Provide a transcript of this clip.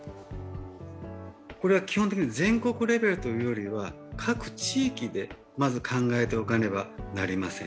これは基本的に全国レベルというよりは各地域でまず考えておかねばなりません。